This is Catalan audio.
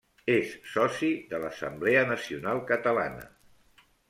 És soci de l'Assemblea Nacional Catalana.